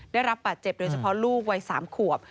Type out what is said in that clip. ได้รับบาดเจ็บโดยเฉพาะลูกวัย๓ขวบ